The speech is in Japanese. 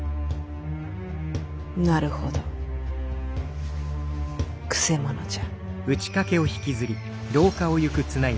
なるほどくせ者じゃ。